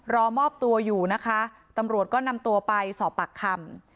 รอมอบตัวอยู่นะคะตำรวจก็นำตัวไปสอบปากคำ